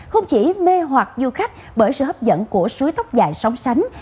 không chỉ mê hoạt du khách bởi sự hấp dẫn của suối tóc dài sống sánh